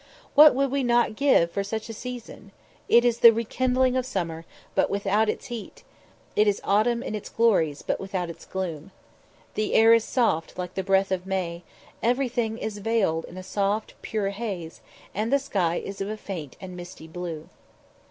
What would we not give for such a season! It is the rekindling of summer, but without its heat it is autumn in its glories, but without its gloom. The air is soft like the breath of May; everything is veiled in a soft pure haze, and the sky is of a faint and misty blue.